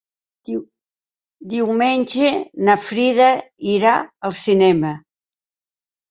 Diumenge na Frida irà al cinema.